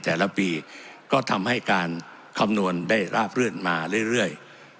แต่ละปีก็ทำให้การคำนวณได้ราบรื่นมาเรื่อย